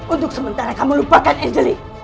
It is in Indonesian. untuk sementara kamu lupakan angelic